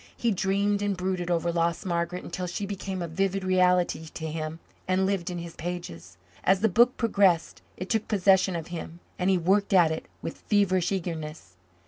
He dreamed and brooded over lost Margaret until she became a vivid reality to him and lived in his pages. As the book progressed it took possession of him and he worked at it with feverish eagerness.